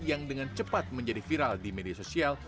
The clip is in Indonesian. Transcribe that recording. yang dengan cepat menjadi viral di media sosial